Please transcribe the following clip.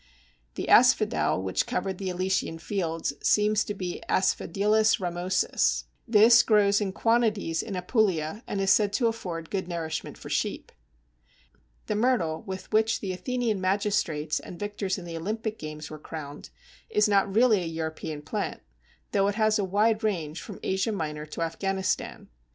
The Asphodel which covered the Elysian fields seems to be Asphodelus ramosus. This grows in quantities in Apulia, and is said to afford good nourishment for sheep. Figured in Kerner's Natural History of Plants. The Myrtle, with which the Athenian magistrates and victors in the Olympic games were crowned, is not really a European plant, though it has a wide range from Asia Minor to Afghanistan.